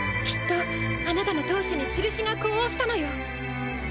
きっとあなたの闘志にしるしが呼応したのよ。